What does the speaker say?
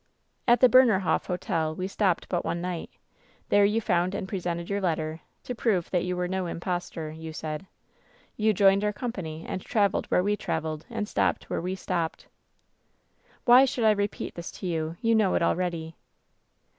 "At the Bernerhof Hotel we stopped but one night. There you found and presented your letter — ^to prove that you were no impostor, you said. You joined our company and traveled where we traveled, and stopped where we stopped. "Why should I repeat this to you, you kuow it al ready